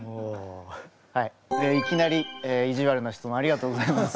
はいいきなり意地悪な質問ありがとうございます。